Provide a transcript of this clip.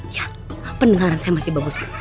ya pendengaran saya masih bagus